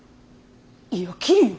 いや切るよ。